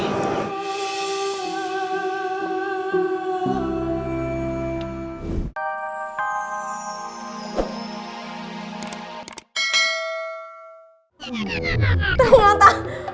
aku akan mencoba untuk mencoba